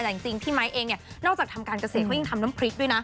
แต่จริงพี่ไมค์เองเนี่ยนอกจากทำการเกษตรเขายังทำน้ำพริกด้วยนะ